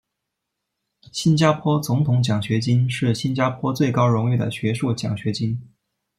新加坡总统奖学金是新加坡最高荣誉的学术奖学金。